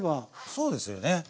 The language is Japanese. そうですよね。